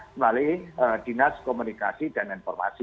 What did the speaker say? melalui dinas komunikasi dprd